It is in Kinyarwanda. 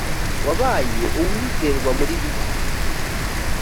wabaye uwizerwa muri bike